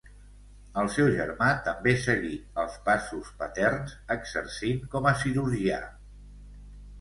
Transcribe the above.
El seu germà també seguí els passos paterns exercint com a cirurgià.